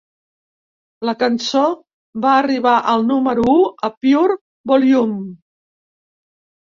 La cançó va arribar al número u a Pure Volume.